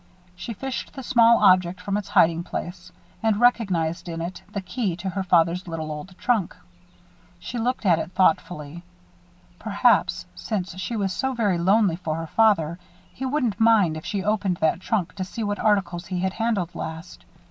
She fished the small object from its hiding place; and recognized in it the key to her father's little old trunk. She looked at it thoughtfully. Perhaps, since she was so very lonely for her father, he wouldn't mind if she opened that trunk to see what articles he had handled last.